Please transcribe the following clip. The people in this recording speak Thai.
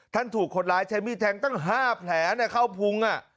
ท่านถูกขนร้ายใช้มีแทงตั้ง๕แผลในเข้าพุง